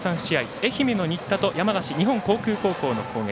愛媛の新田と山梨・日本航空高校の攻撃。